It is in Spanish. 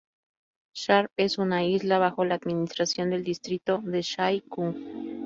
Sharp es una isla bajo la administración del distrito de Sai Kung.